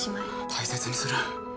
大切にする。